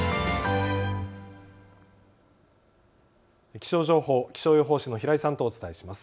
気象情報、気象予報士の平井さんとお伝えします。